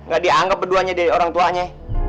gak dianggap keduanya dari orang tuanya